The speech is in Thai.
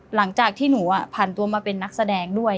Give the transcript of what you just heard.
หลังจากที่หนูผ่านตัวมาเป็นนักแสดงด้วย